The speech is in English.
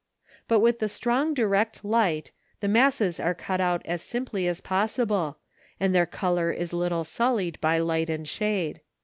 But with the strong direct light, the masses are cut out as simply as possible, and their colour is little sullied by light and shade.